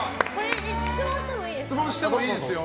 質問してもいいですか。